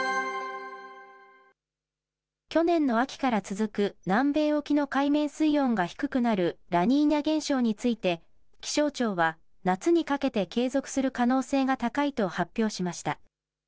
去年の秋から続く南米沖の海面水温が低くなるラニーニャ現象について、気象庁は、夏にかけて継続する可能性が高いと発表しました。